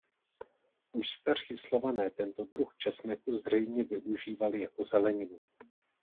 Už staří Slované tento druh česneku zřejmě využívali jako zeleninu.